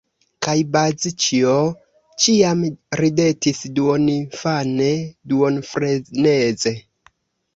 Kaj Bazĉjo ĉiam ridetis duoninfane, duonfreneze.